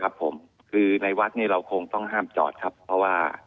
ครับผมคือในวัดเนี่ยเราคงต้องห้ามจอดครับเพราะว่า